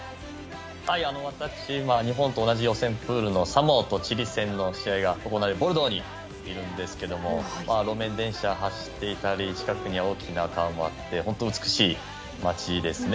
私今、日本と同じ予選プールのサモアとチリ戦の試合が行われるボルドーにいるんですが路面電車が走っていたり近くに大きな川もあって本当に美しい街ですね。